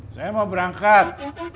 saya mau berangkat